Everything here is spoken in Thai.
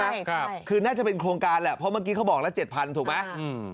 ใช่คือน่าจะเป็นโครงการแหละเพราะเมื่อกี้เขาบอกแล้ว๗๐๐๐ถูกไหม